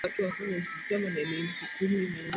Ujerumani na Austria Hungaria dhidi ya Urusi